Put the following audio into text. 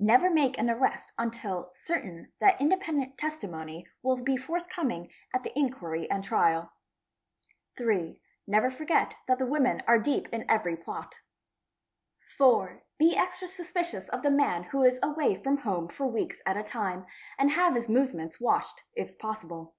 Never make an arrest unless certain that independent testimony will be forthcoming at the inquiry and trial. 3. Never forget that the women are deep in every plot. 4. Be extra suspicious of the man who is away from home for weeks at a time, and have his movements watched, if possible.